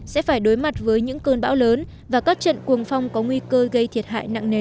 sẽ phải đối mặt với những cơn bão lớn và các trận cuồng phong có nguy cơ gây thiệt hại nặng nề